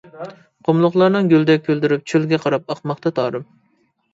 قۇملۇقلارنىڭ گۈلدەك كۈلدۈرۈپ، چۆلگە قاراپ ئاقماقتا تارىم.